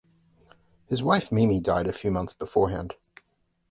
His wife Mimi died a few months beforehand.